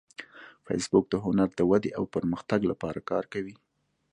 فېسبوک د هنر د ودې او پرمختګ لپاره کار کوي